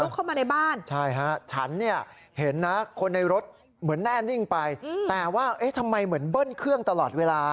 คนในรถเหมือนแน่นิ่งไปแต่ว่าเอ๊ะทำไมเหมือนเบิ้ลเครื่องตลอดเวลา